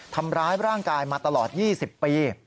ทำร้ายร่างกายมาตลอด๒๐ปี